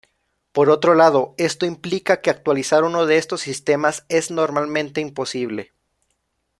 Por otro lado, esto implica que actualizar uno de estos sistemas es normalmente imposible.